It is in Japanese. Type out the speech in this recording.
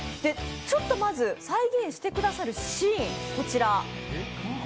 まず再現してくださるシーン、こちら。